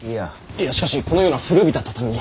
いやしかしこのような古びた畳に。